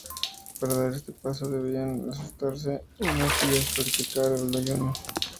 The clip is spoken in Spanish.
Para dar este paso, debían ausentarse unos días y practicar el ayuno.